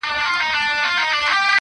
وطن له سره جوړوي بیرته جشنونه راځي؛